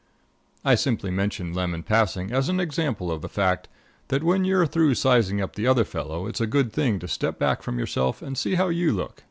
I simply mention Lem in passing as an example of the fact that when you're through sizing up the other fellow, it's a good thing to step back from yourself and see how you look.